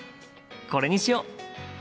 これにしよう！